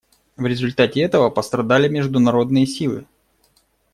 В результате этого пострадали международные силы.